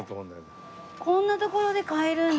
こんな所で買えるんだ。